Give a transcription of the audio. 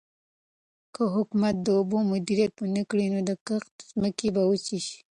که حکومت د اوبو مدیریت ونکړي نو د کښت ځمکې به وچې شي.